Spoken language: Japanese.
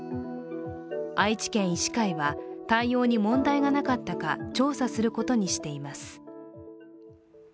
愛知県医師会は対応に問題がなかったか調査することにしています。